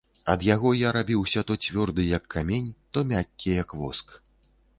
Ад яго я рабіўся то цвёрды, як камень, то мяккі, як воск.